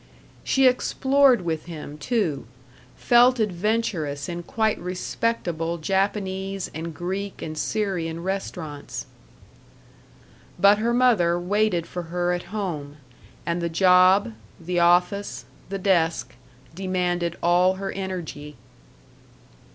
She explored with him, too; felt adventurous in quite respectable Japanese and Greek and Syrian restaurants. But her mother waited for her at home, and the job, the office, the desk, demanded all her energy.